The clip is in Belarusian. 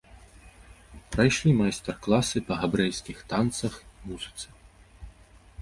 Прайшлі майстар-класы па габрэйскіх танцах і музыцы.